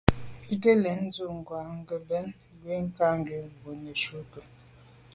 Bin ke’ lèn ndù ngwa ke mbèn ngù kà jujù mbwô nejù ké.